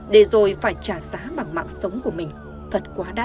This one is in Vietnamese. để rồi phải trả giá bằng mạng sống của mình thật quá đắt